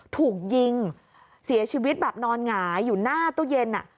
ถูกยิงเสียชีวิตแบบนอนหงายอยู่หน้าตู้เย็น